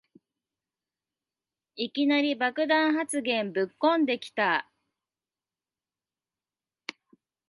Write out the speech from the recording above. いきなり爆弾発言ぶっこんできた